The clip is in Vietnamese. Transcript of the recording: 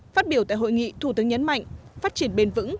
phát biểu tại hội nghị thủ tướng nhấn mạnh phát triển bền vững